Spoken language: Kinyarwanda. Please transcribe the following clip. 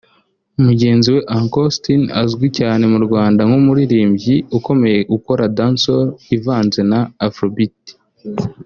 mugenzi we Uncle Austin azwi cyane mu Rwanda nk’umuririmbyi ukomeye ukora Dancehall ivanze na Afrobeat